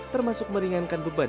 termasuk meringankan beban